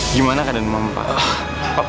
gimana keadaan mama pa